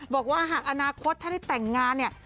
บอกว่าหากอนาคตถ้าได้แต่งงานเนี่ย